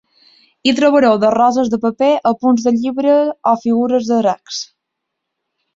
Hi trobareu de roses de paper a punts de llibre o figures de dracs.